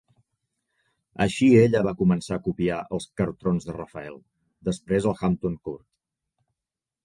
Així ella va començar a copiar els Cartrons de Rafael, després al Hampton Court.